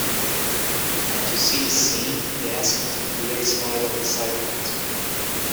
"Can't you see the scene?" he asked with a queer smile of excitement.